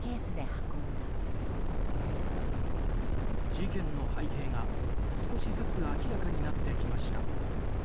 事件の背景が少しずつ明らかになってきました。